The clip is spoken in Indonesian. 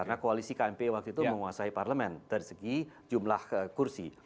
karena koalisi kmp waktu itu menguasai parlemen dari segi jumlah kursi